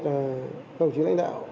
các đồng chí lãnh đạo